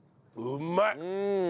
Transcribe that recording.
うまい！